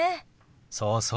そうそう。